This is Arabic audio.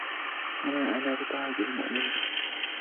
وما أنا بطارد المؤمنين